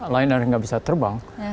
lain harus nggak bisa terbang